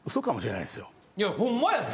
いやホンマやで！